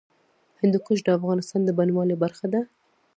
هندوکش د افغانستان د بڼوالۍ برخه ده.